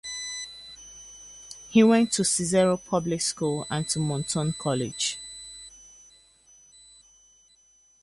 He went to the Cicero public schools and to Morton College.